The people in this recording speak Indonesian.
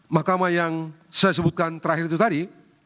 mahkamah yang saya sebutkan terakhir itu tadi